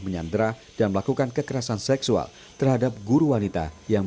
yang perempuan dipukul ditendang